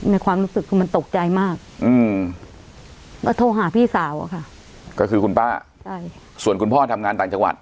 ความรู้สึกคือมันตกใจมากอืมก็โทรหาพี่สาวอะค่ะก็คือคุณป้าใช่ส่วนคุณพ่อทำงานต่างจังหวัด